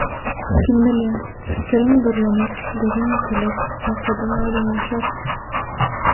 Kim bilýär, pikiriň durlanar, gözüň ýiteler, maksadyň aýdyňlaşar.